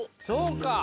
そうか。